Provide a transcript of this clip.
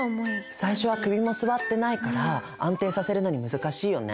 最初は首も据わってないから安定させるのに難しいよね。